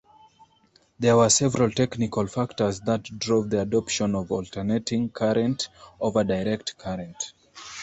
There were several technical factors that drove the adoption of alternating-current over direct-current.